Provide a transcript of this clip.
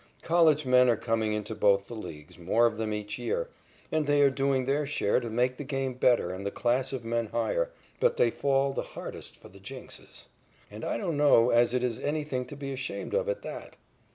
College men are coming into both the leagues, more of them each year, and they are doing their share to make the game better and the class of men higher, but they fall the hardest for the jinxes. And I don't know as it is anything to be ashamed of at that.